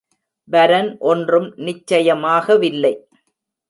வரன் ஒன்றும் நிச்சயமாகவில்லை.